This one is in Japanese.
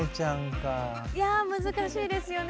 いや難しいですよね